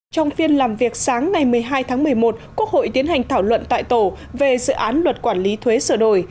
trong phiên làm việc sáng ngày một mươi hai tháng một mươi một quốc hội tiến hành thảo luận tại tổ về dự án luật quản lý thuế sửa đổi